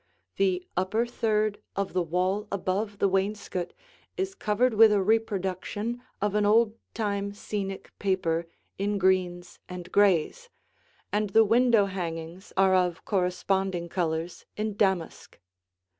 The upper third of the wall above the wainscot is covered with a reproduction of an old time scenic paper in greens and grays, and the window hangings are of corresponding colors in damask.